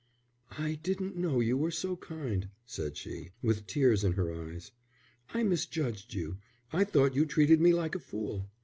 "I didn't know you were so kind," said she, with tears in her eyes. "I misjudged you, I thought you treated me like a fool.